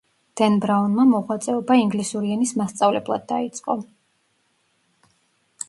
დენ ბრაუნმა მოღვაწეობა ინგლისური ენის მასწავლებლად დაიწყო.